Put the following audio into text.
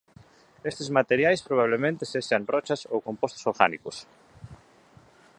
Estes materiais probablemente sexan rochas ou compostos orgánicos.